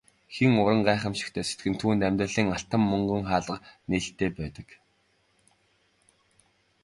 Хэн уран гайхамшигтай сэтгэнэ түүнд амьдралын алтан мөнгөн хаалга нээлттэй байдаг.